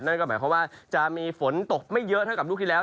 นั่นก็หมายความว่าจะมีฝนตกไม่เยอะเท่ากับลูกที่แล้ว